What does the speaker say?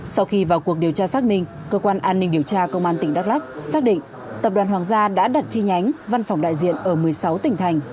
sau khi vào cuộc điều tra xác minh cơ quan an ninh điều tra công an tỉnh đắk lắc xác định tập đoàn hoàng gia đã đặt chi nhánh văn phòng đại diện ở một mươi sáu tỉnh thành